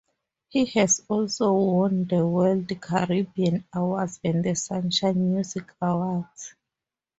He has also won the World Caribbean Awards and The Sunshine Music Awards.